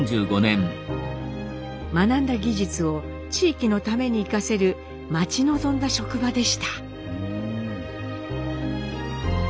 学んだ技術を地域の為に生かせる待ち望んだ職場でした。